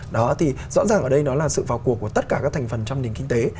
đó thì rõ ràng ở đây nó là sự vào cuộc của tất cả các thành phần trong nền kinh tế